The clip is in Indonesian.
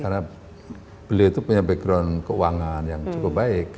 karena beliau itu punya background keuangan yang cukup baik